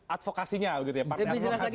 advokasinya gitu ya lebih jelas lagi